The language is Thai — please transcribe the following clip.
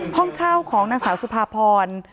ห้องเช่าของนางสาวสุภาพร